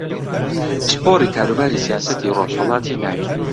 پسپۆڕی کاروباری سیاسەتی ڕۆژھەڵاتی ناوین